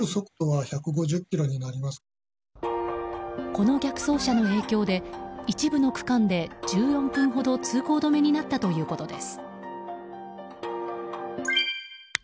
この逆走車の影響で一部の区間で１４分ほど通行止めになったということです。